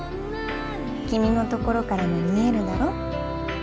「君のところからもみえるだろう？」